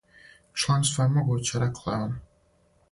Чланство је могуће, рекла је она.